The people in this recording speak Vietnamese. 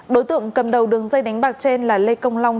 đối tượng cầm đầu đường dây đánh bạc trên là lê công long